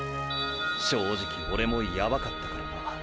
正直オレもヤバかったからな。